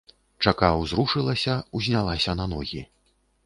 Чака ўзрушылася, узнялася на ногі.